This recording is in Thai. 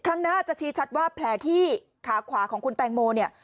ครั้งหน้าจะชี้ชัดว่าแผลที่ขาขวาของคุณแตงโมเนี่ย